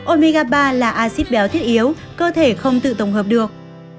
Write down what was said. omega ba là acid béo thiết yếu cơ thể không tự tổng hợp được